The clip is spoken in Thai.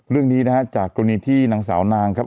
เรื่องนี้นะฮะจากกรณีที่นางสาวนางครับ